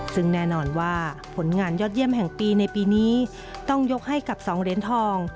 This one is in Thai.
ซึ่งแน่นอนว่าผลงานยอดเยี่ยมแห่งปีในปีนี้ต้องยกให้กับ๒เหรียญทอง